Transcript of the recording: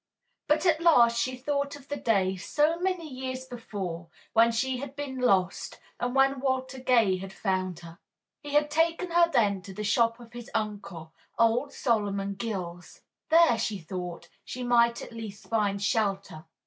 But at last she thought of the day, so many years before, when she had been lost and when Walter Gay had found her. He had taken her then to the shop of his uncle, old Solomon Gills. There, she thought, she might at least find shelter.